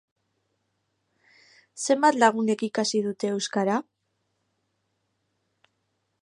Zenbat lagunek ikasi dute euskara?